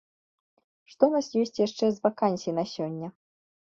Што ў нас яшчэ ёсць з вакансій на сёння?